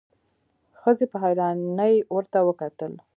ښځې په حيرانی ورته وکتل.